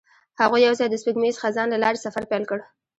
هغوی یوځای د سپوږمیز خزان له لارې سفر پیل کړ.